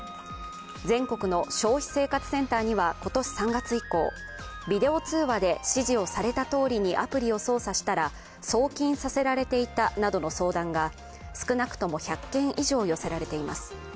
全国の消費生活センターには今年３月以降、ビデオ通話で指示をされたとおりにアプリを操作したら送金させられていたなどの相談が少なくとも１００件以上寄せられています。